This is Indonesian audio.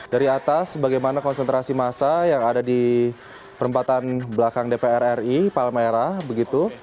dari atas bagaimana konsentrasi massa yang ada di perempatan belakang dpr ri palmerah begitu